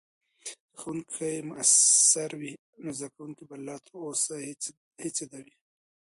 که ښوونکې مؤثرې وي، نو زدکونکي به لا تر اوسه هڅیده وي.